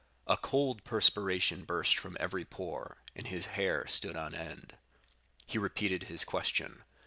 A cold perspiration burst from every pore, and his hair stood on end. He repeated his question.